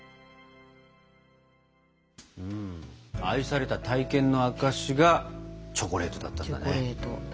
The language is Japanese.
「愛された体験の証し」がチョコレートだったんだね。